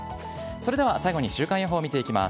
それでは最後に週間予報を見ていきます。